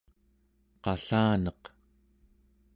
qallaneq